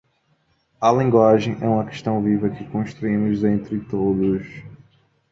A linguagem é uma questão viva que construímos entre todos.